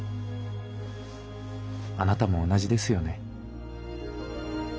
あなたも同じですよね。